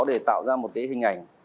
để tạo ra một hình ảnh